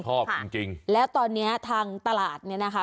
ชอบจริงจริงแล้วตอนเนี้ยทางตลาดเนี้ยนะคะ